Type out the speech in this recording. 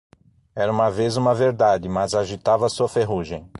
Era uma vez uma verdade, mas agitava sua ferrugem.